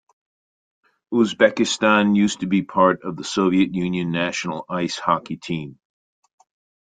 Uzbekistan used to be part of the Soviet Union national ice hockey team.